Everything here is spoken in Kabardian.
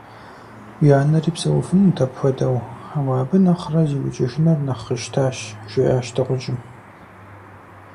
Уи анэри псэуфынут апхуэдэу, ауэ абы нэхърэ зиукӀыжыныр нэхъ къищтащ, - жиӏащ дыгъужьым.